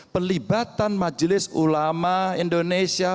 pelibatan majelis ulama indonesia